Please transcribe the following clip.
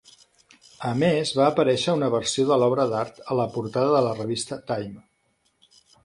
A més, va aparèixer una versió de l'obra d'art a la portada de la revista "Time".